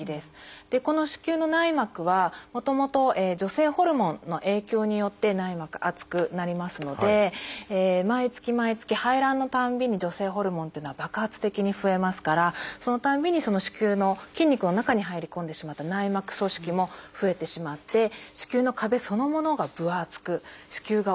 この子宮の内膜はもともと女性ホルモンの影響によって内膜厚くなりますので毎月毎月排卵のたんびに女性ホルモンっていうのは爆発的に増えますからそのたんびにその子宮の筋肉の中に入り込んでしまった内膜組織も増えてしまって子宮の壁そのものが分厚く子宮が大きくなってしまう病気です。